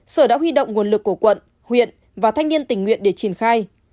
sở đã huy động nguồn lực của quận huyện và thanh niên tình nguyện để triển khai